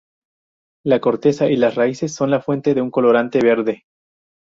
La corteza y las raíces son la fuente de un colorante verde.